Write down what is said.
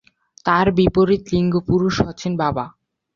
তার বিপরীত লিঙ্গ পুরুষ হচ্ছেন বাবা।